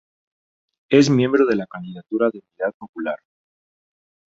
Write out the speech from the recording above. Es miembro de la Candidatura de Unidad Popular.